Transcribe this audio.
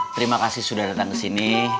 terima kasih sudah datang kesini